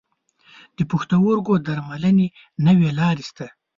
د پښتورګو درملنې نوي لارې شته.